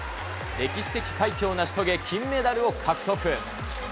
歴史的快挙を成し遂げ、金メダルを獲得。